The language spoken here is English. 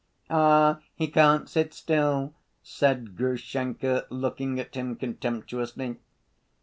"Ah, he can't sit still," said Grushenka, looking at him contemptuously.